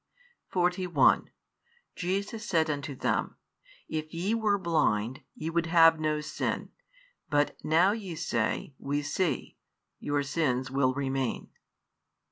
41 Jesus said unto them, If ye were blind, ye would have no sin: but now ye say, We see: your sins will remain.